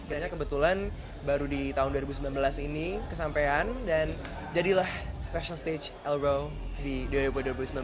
dan kebetulan baru di tahun dua ribu sembilan belas ini kesampean dan jadilah special stage elro di dwp dua ribu sembilan belas